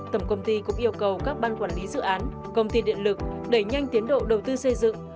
tổng công ty cũng yêu cầu các ban quản lý dự án công ty điện lực đẩy nhanh tiến độ đầu tư xây dựng